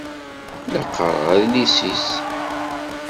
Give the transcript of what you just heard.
La qqaṛeɣ adlis-is.